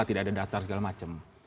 tidak ada dasar segala macam